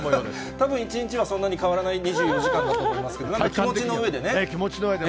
たぶん１日はそんなに変わらない２４時間だと思いますが、ええ、気持ちのうえで。